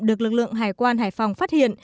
được lực lượng hải quan hải phòng phát hiện